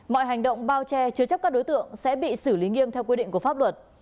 mọi hành động bao che chứa chấp các đối tượng sẽ bị xử lý nghiêm theo quy định của pháp luật